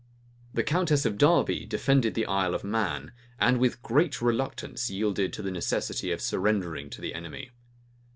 The countess of Derby defended the Isle of Man; and with great reluctance yielded to the necessity of surrendering to the enemy.